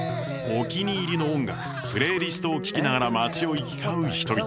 お気に入りの音楽プレイリストを聴きながら街を行き交う人々。